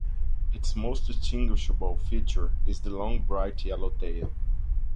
Its most distinguishable feature is the long bright yellow tail.